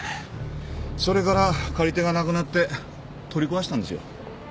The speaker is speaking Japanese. それから借り手がなくなって取り壊したんですよ。